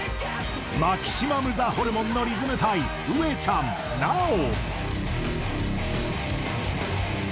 マキシマムザホルモンのリズム隊上ちゃんナヲ。